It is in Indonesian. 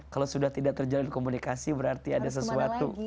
kalau sudah tidak terjalin komunikasi berarti ada sesuatu